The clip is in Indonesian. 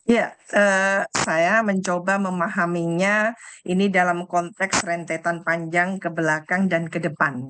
ya saya mencoba memahaminya ini dalam konteks rentetan panjang ke belakang dan ke depan